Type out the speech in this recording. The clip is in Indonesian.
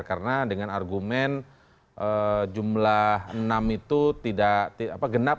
karena dengan argumen jumlah enam itu tidak genap